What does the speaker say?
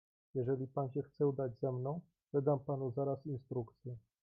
"Jeżeli pan się chce udać za mną, wydam panu zaraz instrukcje."